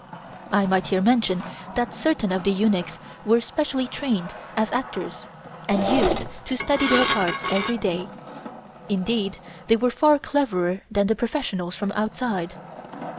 I might here mention that certain of the eunuchs were specially trained as actors and used to study their parts every day. Indeed, they were far cleverer than the professionals from outside.